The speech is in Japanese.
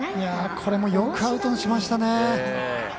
これもよくアウトにしましたね。